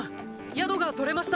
宿が取れました！